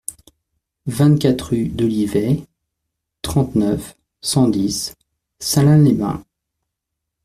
vingt-quatre rue d'Olivet, trente-neuf, cent dix, Salins-les-Bains